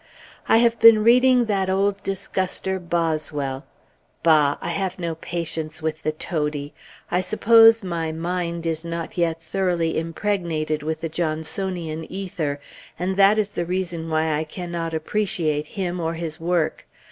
I have been reading that old disguster, Boswell. Bah! I have no patience with the toady! I suppose "my mind is not yet thoroughly impregnated with the Johnsonian ether," and that is the reason why I cannot appreciate him, or his work.